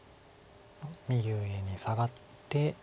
右上にサガって。